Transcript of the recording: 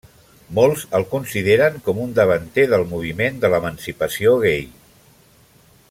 Molts el consideren com un davanter del moviment de l'emancipació gai.